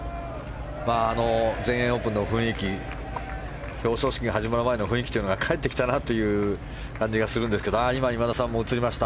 全英オープンの雰囲気表彰式が始まる前の雰囲気っていうのが帰ってきたなという感じがするんですけど今、今田さんも映りました。